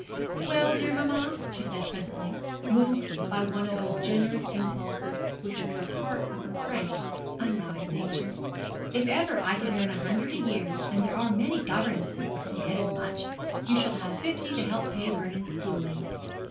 'Well, dear mamma,' she said presently, moved by one of those generous impulses which were a part of her frank, unwise nature, 'if ever I can earn a hundred a year and there are many governesses who get as much you shall have fifty to help pay Vernon's schooling.'